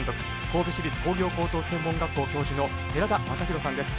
神戸市立工業高等専門学校教授の寺田雅裕さんです。